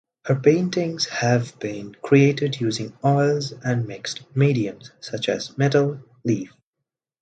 Her paintings have been created using oils and mixed mediums such as metal leaf.